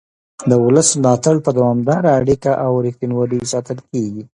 د ولس ملاتړ په دوامداره اړیکه او رښتینولۍ ساتل کېږي